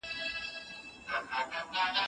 مشران ولي د رایې ورکولو حق تضمینوي؟